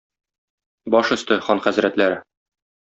Баш өсте, хан хәзрәтләре.